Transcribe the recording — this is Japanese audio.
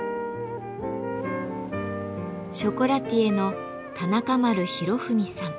ショコラティエの田中丸博文さん。